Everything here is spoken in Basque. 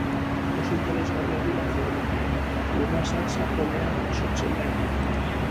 Oso interesgarriak dira geologian, lurrazal sakonean sortzen baitira.